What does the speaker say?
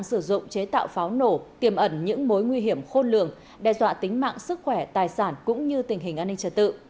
sử dụng chế tạo pháo nổ tiềm ẩn những mối nguy hiểm khôn lường đe dọa tính mạng sức khỏe tài sản cũng như tình hình an ninh trật tự